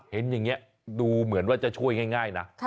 เห็นอย่างนี้ดูเหมือนว่าจะช่วยง่ายนะ